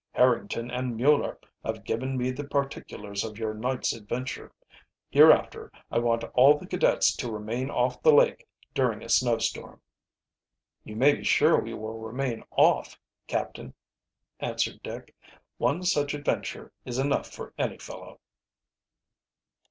"Harrington and Mueller have given me the particulars of your night's adventure. Hereafter I want all of the cadets to remain off the lake during a snowstorm." "You may be sure we will remain off, captain," answered Dick. "One such adventure is enough for any fellow."